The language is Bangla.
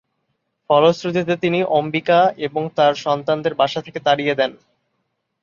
ফলশ্রুতিতে তিনি অম্বিকা এবং তাঁর সন্তানদের বাসা থেকে তাড়িয়ে দেন।